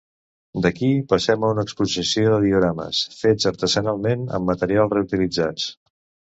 D'aquí passem a una exposició de diorames, fets artesanalment amb materials reutilitzats.